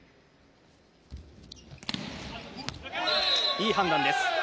いい判断です。